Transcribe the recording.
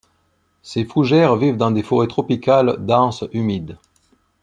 Ces fougères vivent dans des forêts tropicales denses humides.